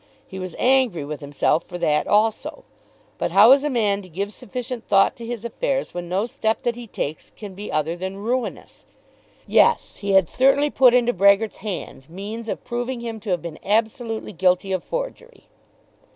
He was angry with himself for that also. But how is a man to give sufficient thought to his affairs when no step that he takes can be other than ruinous? Yes; he had certainly put into Brehgert's hands means of proving him to have been absolutely guilty of forgery.